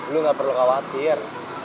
lu ga perlu khawatir